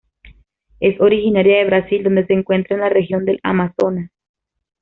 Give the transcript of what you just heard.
Es originaria de Brasil donde se encuentra en la región del Amazonas.